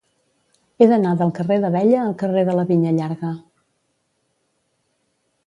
He d'anar del carrer d'Abella al carrer de la Vinya Llarga.